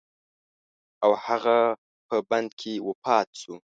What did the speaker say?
او هغه په بند کې وفات شو.